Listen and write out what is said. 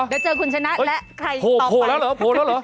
เดี๋ยวเจอคุณชนะและใครต่อไปโผล่แล้วเหรอ